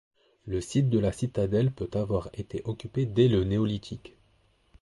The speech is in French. Le site de la citadelle peut avoir été occupé dès le Néolithique.